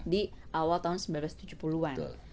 di awal tahun seribu sembilan ratus tujuh puluh an